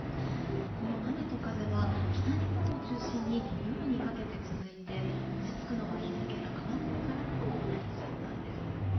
この雨と風は北日本を中心に夜にかけて続いて落ち着くのは日付が変わってからとなりそうなんです。